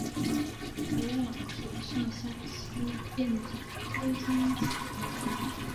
土壤属上沙溪庙组的灰棕紫泥土。